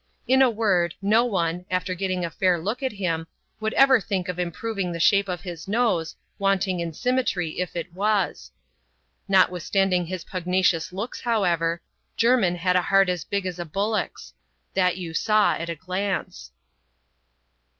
In a word, no one, after getting a fair look at him, would ever think of im proving the shape of his nose, wanting in symmetry if it was. Notwithstanding his pugnacious looks, however, Jermin had a heart as big as a bullock's ; that you saw at a glance.